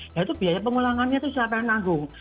nah itu biaya pengulangannya tuh siapa yang nanggung